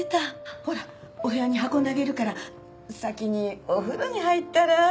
ほらお部屋に運んであげるから先にお風呂に入ったら？